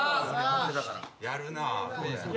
やるなぁ。